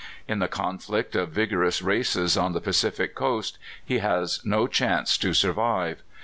In the conflict of vigorous races on the Pa cific Coast he has no chance to survive.